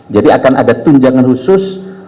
jadi akan ada tunjangan khusus